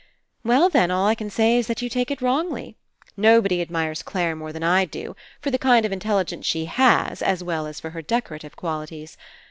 *'Well, then, all I can say is that you take it wrongly. Nobody admires Clare more than I do, for the kind of Intelligence she has, as well as for her decorative qualities.